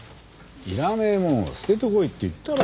いらねえもんは捨ててこいって言ったろ。